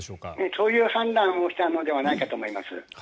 そういう判断をしたのではないかと思います。